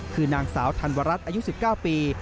คือนางสาวธันวรัฐอายุ๑๙ปี